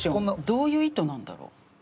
どういう意図なんだろう？